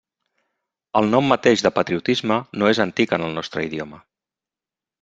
El nom mateix de patriotisme no és antic en el nostre idioma.